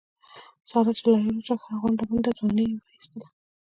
ساره چې را لویه شوله ښه غونډه منډه ځواني یې و ایستله.